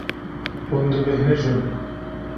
Hûn dibêhnijin.